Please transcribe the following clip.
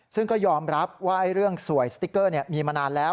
ซึ่งก็ยอมรับว่าเรื่องสวยสติ๊กเกอร์มีมานานแล้ว